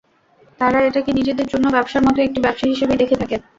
তাঁরা এটাকে নিজেদের অন্য ব্যবসার মতো একটি ব্যবসা হিসেবেই দেখে থাকেন।